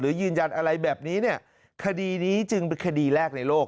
หรือยืนยันอะไรแบบนี้คดีนี้จึงเป็นคดีแรกในโลก